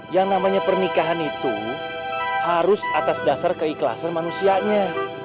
yang namanya pernikahan itu harus atas dasar keikhlasan manusianya